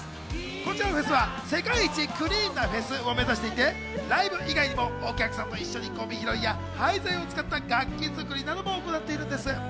こちらのフェスは世界一クリーンなフェスを目指していて、ライブ以外にもお客さんと一緒にゴミ拾いや、廃材を使った楽器作りなども行っているんです。